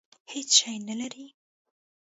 هېڅ شی نه لري.